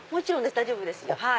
大丈夫です。